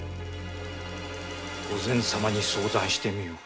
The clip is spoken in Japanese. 御前様に相談してみよう。